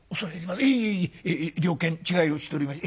いえいえいえ了見違いをしておりました。